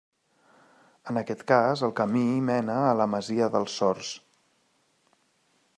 En aquest cas, el camí mena a la masia dels Sors.